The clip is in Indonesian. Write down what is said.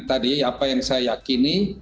tadi apa yang saya yakini